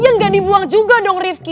yang gak dibuang juga dong rifki